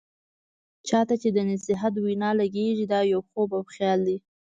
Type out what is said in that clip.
چا ته چې د نصيحت وینا لګیږي، دا يو خوب او خيال دی.